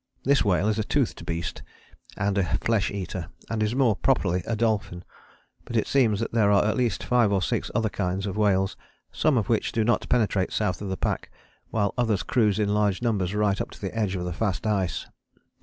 This whale is a toothed beast and a flesh eater, and is more properly a dolphin. But it seems that there are at least five or six other kinds of whales, some of which do not penetrate south of the pack, while others cruise in large numbers right up to the edge of the fast ice.